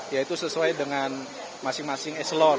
yaitu sesuai dengan masing masing eselon